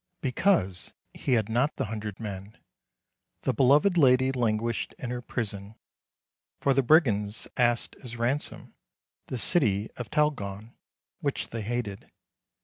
Because he had not the hundred men the beloved lady languished in her prison, for the brigands asked as ransom the city of Talgone which they hated.